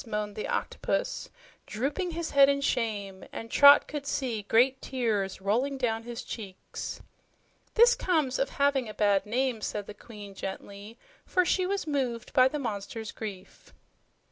moaned the Octopus, drooping his head in shame, and Trot could see great tears falling down his cheeks. "This comes of having a bad name," said the Queen gently, for she was moved by the monster's grief.